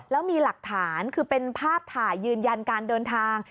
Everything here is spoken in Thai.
แล้วมีหลักฐานคือเป็นภาพถ่ายยืนยันการเดินทาง